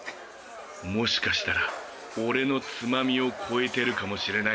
もしかしたら俺のつまみを超えてるかもしれない。